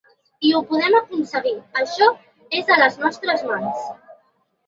I ho podem aconseguir, això és a les nostres mans.